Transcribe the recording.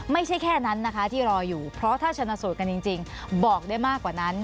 ไม่ใช่แค่นั้นนะคะที่รออยู่เพราะถ้าชนะสูตรกันจริงบอกได้มากกว่านั้น